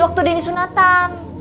waktu dini sunatan